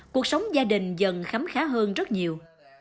cuộc sống gia đình dần khắm khá hơn rất nhiều